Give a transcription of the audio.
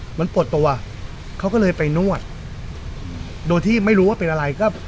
เหมือนปวดตัวเขาก็เลยไปนวดโดยที่ไม่รู้ว่าเป็นอะไรก็